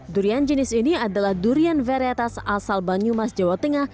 durian jenis ini adalah durian varietas asal banyumas jawa tengah